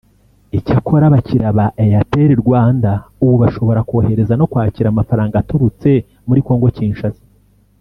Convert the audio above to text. Icyakora abakiriya ba Airtel Rwanda ubu bashobora kohereza no kwakira amafaranga aturutse muri Congo Kinshasa